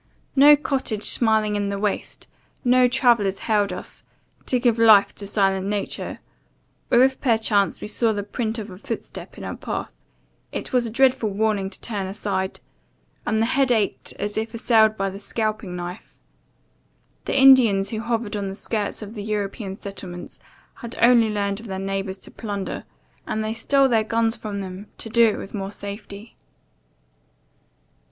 No cottage smiling in the waste, no travellers hailed us, to give life to silent nature; or, if perchance we saw the print of a footstep in our path, it was a dreadful warning to turn aside; and the head ached as if assailed by the scalping knife. The Indians who hovered on the skirts of the European settlements had only learned of their neighbours to plunder, and they stole their guns from them to do it with more safety.